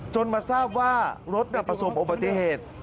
มาทราบว่ารถประสบอุบัติเหตุ